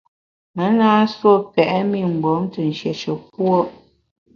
Me na nsuo pèt mi mgbom te nshéshe puo’.